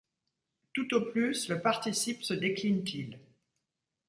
Tout au plus le participe se décline-t-il.